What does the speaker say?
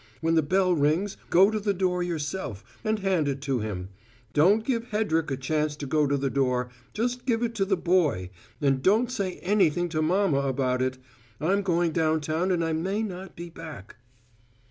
When the bell rings, go to the door yourself, and hand it to him. Don't give Hedrick a chance to go to the door. Just give it to the boy; and don't say anything to mamma about it. I'm going downtown and I may not be back."